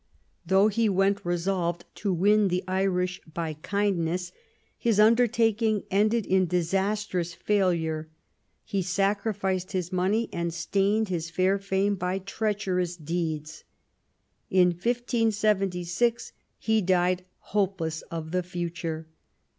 Though he went resolved "to win the Irish by kindness," his undertaking ended in disastrous failure. He sacrificed his money and stained his fair fame by treacherous deeds. In 1576 he died hopeless of the future.